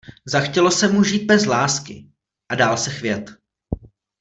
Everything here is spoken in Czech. Zachtělo se mu žít bez lásky a dál se chvět.